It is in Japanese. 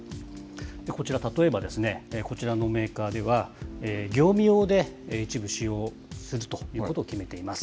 こちら、例えばですね、こちらのメーカーでは、業務用で一部使用するということを決めています。